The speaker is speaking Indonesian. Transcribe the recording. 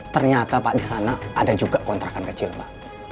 ternyata pak di sana ada juga kontrakan kecil pak